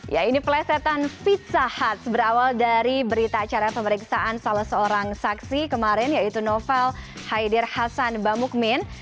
ya ini pelesetan pizza huts berawal dari berita acara pemeriksaan salah seorang saksi kemarin yaitu novel haidir hasan bamukmin